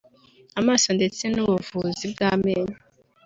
amaso ndetse n’ubuvuzi bw’amenyo